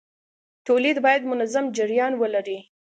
تولید باید منظم جریان ولري.